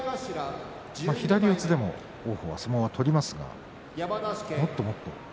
左四つでも王鵬は相撲取りますがもっともっと。